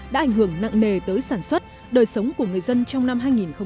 đã ảnh hưởng nặng nề tới sản xuất đời sống của người dân trong năm hai nghìn một mươi chín